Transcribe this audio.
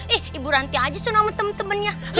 eh ibu ranti aja sih sama temen temennya